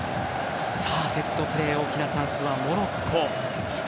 セットプレー大きなチャンスはモロッコ。